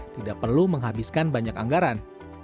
tidak perlu menghabiskan banyak anggaran